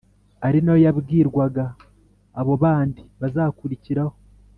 ari na yo yabwirwaga abo bandi bazakurikiraho